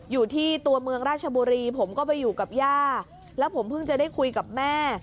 อยู่ที่ตัวเมืองราชบุรีผมก็ไปอยู่กับย่าแล้วผมเพิ่งจะได้คุยกับแม่